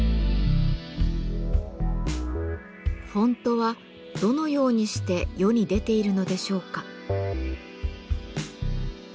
フォントはどのようにして世に出ているのでしょうか。